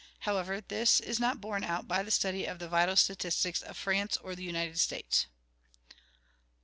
However, this is not borne out by the study of the vital statistics of France or the United States.